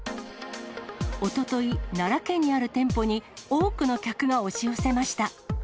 おととい、奈良県にある店舗に多くの客が押し寄せました。